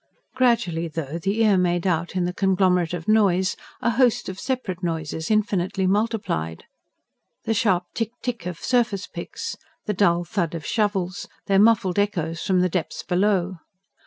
Gradually, though, the ear made out, in the conglomerate of noise, a host of separate noises infinitely multiplied: the sharp tick tick of surface picks, the dull thud of shovels, their muffled echoes from the depths below.